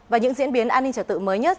và những diễn biến an ninh trật tự mới nhất